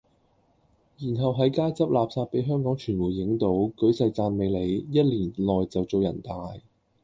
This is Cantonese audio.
然後係街執垃圾比香港傳媒影到，舉世讚美你，一年內就做人大。